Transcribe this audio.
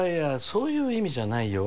そういう意味じゃないよ